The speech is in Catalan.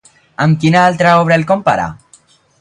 Amb quina altra obra el compara?